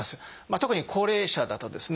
特に高齢者だとですね